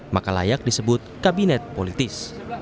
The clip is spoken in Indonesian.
maka layak disebut kabinet politis